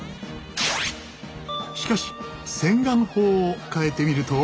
しかし洗顔法を変えてみると。